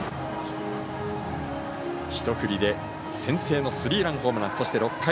１振りで先制のスリーランホームラン。